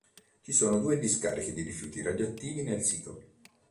Ci sono due discariche di rifiuti radioattivi nel sito.